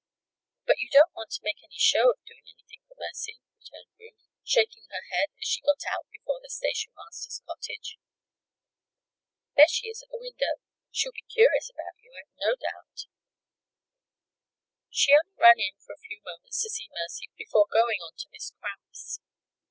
"But you don't want to make any show of doing anything for Mercy," returned Ruth, shaking her head as she got out before the station master's cottage. "There she is at the window. She'll be curious about you, I've no doubt." She only ran in for a few moments to see Mercy before going on to Miss Cramp's.